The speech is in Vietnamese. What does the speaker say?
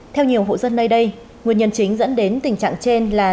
theo nhiều hộ dân nơi đây nguyên nhân chính dẫn đến tình trạng trên là